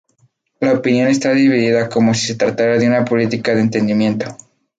La opinión está dividida como si se tratara de una política de entendimiento.